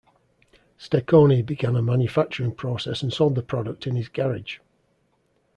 Steccone began a manufacturing process and sold the product in his garage.